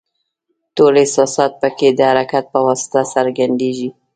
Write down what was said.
ټول احساسات پکې د حرکت په واسطه څرګندیږي.